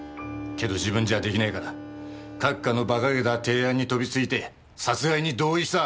けど自分じゃできないから閣下の馬鹿げた提案に飛びついて殺害に同意した。